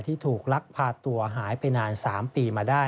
ที่ถูกลักพาตัวหายไปนาน๓ปีมาได้